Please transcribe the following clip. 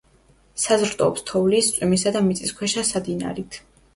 საზრდოობს თოვლის, წვიმისა და მიწისქვეშა სადინარით.